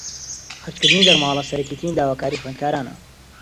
خەرجکردنی دەرماڵە سەرەکیترین داواکاریی خوێندکارانە